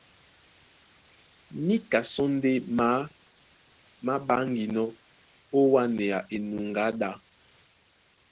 Níka sɔ́ ndé maá má ɓáŋginɔ́ ó wánea enuŋgá ɗá.